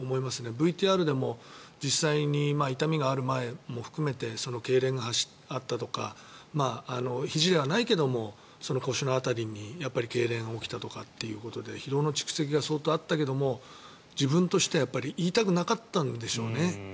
ＶＴＲでも実際に痛みがある前も含めてけいれんがあったとかひじではないけれどもその腰の辺りにけいれんが起きたとかということで疲労の蓄積が相当あったけども自分としては言いたくなかったんでしょうね。